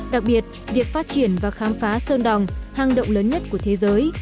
đặc biệt việc phát triển và khám phá sơn đồng hang động lớn nhất của thế giới